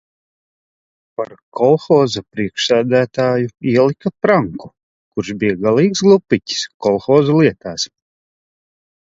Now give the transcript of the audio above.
Par kolhoza priekšsēdētāju ielika Pranku kurš bija galīgs glupiķis kolhoza lietās.